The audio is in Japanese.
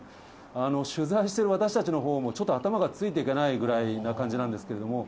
取材している私たちのほうも、ちょっと頭がついていけないぐらいな感じなんですけども。